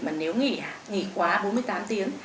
mà nếu nghỉ quá bốn mươi tám tiếng